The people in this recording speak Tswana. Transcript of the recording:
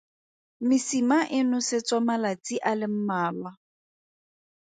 Mesima e nosetswa malatsi a le mmalwa.